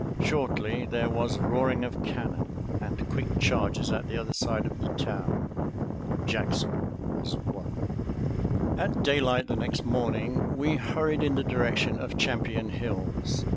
Shortly there was roaring of cannon and quick charges at the other side of the town. Jackson was won. At daylight the next morning we hurried in the direction of Champion Hills.